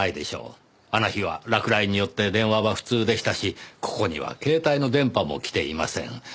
あの日は落雷によって電話は不通でしたしここには携帯の電波も来ていません。